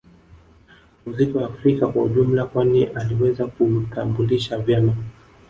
Muziki wa Afrika kwa ujumla kwani aliweza kuutambulisha vema